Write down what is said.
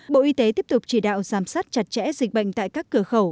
bộ y tế tiếp tục chỉ đạo giám sát chặt chẽ dịch bệnh tại các cửa khẩu